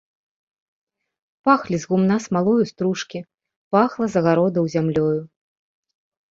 Пахлі з гумна смалою стружкі, пахла з агародаў зямлёю.